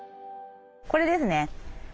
これですね。